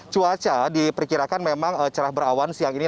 cuaca diperkirakan memang cerah berawan siang ini